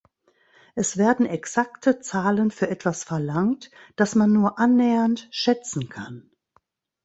Es werden exakte Zahlen für etwas verlangt, das man nur annähernd schätzen kann.